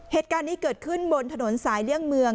เหตุการณ์นี้เกิดขึ้นบนถนนสายเลี่ยงเมือง